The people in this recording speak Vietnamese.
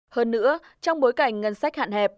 hơn nữa trong bối cảnh ngân sách hạn chế